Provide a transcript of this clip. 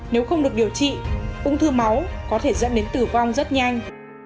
nếu không được điều trị ung thư máu có thể dẫn đến tử vong rất nhanh